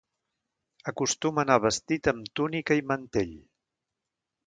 Acostuma a anar vestit amb túnica i mantell.